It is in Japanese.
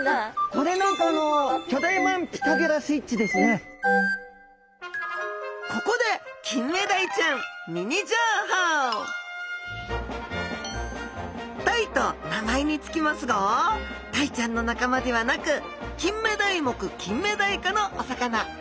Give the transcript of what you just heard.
これ何かあのここで「タイ」と名前に付きますがタイちゃんの仲間ではなくキンメダイ目キンメダイ科のお魚。